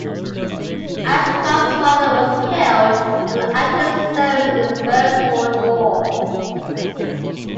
Ashcroft's father was killed on active service in the First World War.